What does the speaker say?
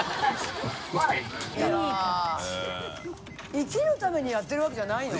生きるためにやってるわけじゃないの？